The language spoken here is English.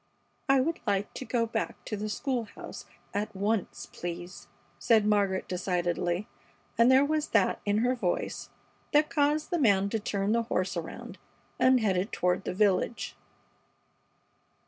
"I would like to go back to the school house at once, please," said Margaret, decidedly, and there was that in her voice that caused the man to turn the horse around and head it toward the village.